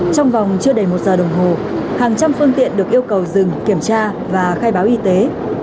trong vòng chưa đầy một giờ đồng hồ hàng trăm phương tiện được yêu cầu dừng kiểm tra và khai báo y tế